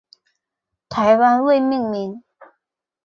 台湾未命名。